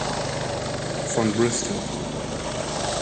von Bristol.